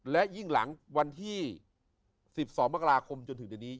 และยิ่งหลังวันที่สิบสองบัคลาคมจนถึงเดี๋ยวนี้